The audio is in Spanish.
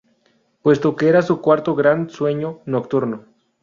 Puesto que era su cuarto Grand sueño nocturno.